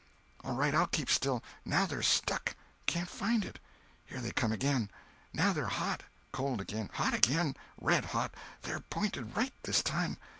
"All right, I'll keep still. Now they're stuck. Can't find it. Here they come again. Now they're hot. Cold again. Hot again. Red hot! They're p'inted right, this time.